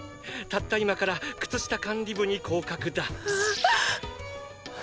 たった今から靴下管理部に降格だ。！！